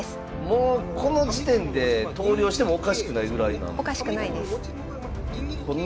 もうこの時点で投了してもおかしくないぐらいなんですよね？